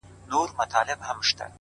د کلي سيند راته هغه لنده خيسته راوړې!!